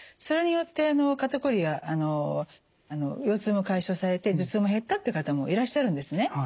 それによって肩コリや腰痛も解消されて頭痛も減ったという方もいらっしゃるんですね。